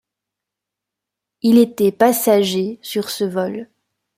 Il était passager sur ce vol.